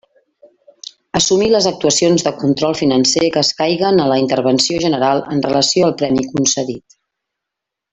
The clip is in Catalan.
Assumir les actuacions de control financer que escaiguen a la Intervenció General en relació al premi concedit.